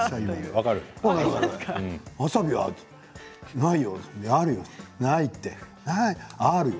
わさびないよ、あるよないって。